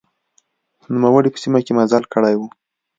نوموړي په سیمه کې مزل کړی و.